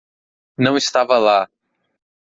Não estava lá.